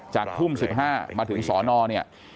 ทุ่ม๑๕มาถึงสอนอเนี่ย